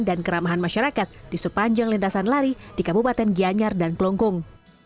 dan keramahan masyarakat di sepanjang lintasan lari di kabupaten gianyar dan kelongkung